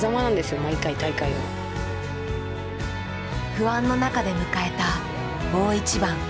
不安の中で迎えた大一番。